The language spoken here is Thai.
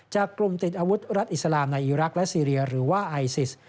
จากกลุ่มติดอาวุธรัฐอิสลามในอีรักษ์และซีเรียหรือว่าไอซิส